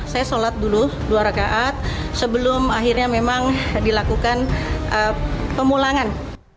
saya sholat dulu dua rakaat sebelum akhirnya memang dilakukan pemulangan